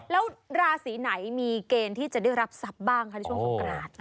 แล้วราศีไหนมีเกณฑ์ที่จะได้รับทรัพย์บ้างคะในช่วงสงกราศ